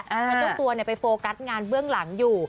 เพราะเจ้าตัวไปโฟกัสงานเบื้องหลังอยู่